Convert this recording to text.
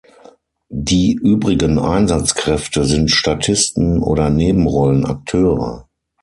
Die übrigen Einsatzkräfte sind Statisten oder Nebenrollen-Akteure.